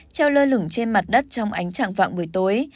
treo lơ lửng trên mặt đất trong ánh trạng vạng buổi tối